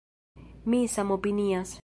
Mi samopinias.